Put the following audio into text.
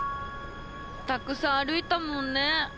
たくさん歩いたもんね。